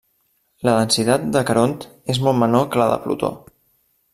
La densitat de Caront és molt menor que la de Plutó.